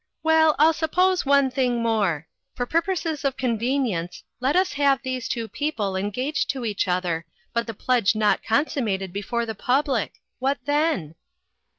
Well, I'll suppose one thing more. For purposes of conveni ence, let us have these two people engaged to each other, but the pledge not, consum mated before the public what then